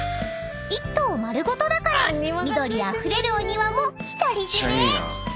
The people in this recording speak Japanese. ［１棟丸ごとだから緑あふれるお庭も独り占め］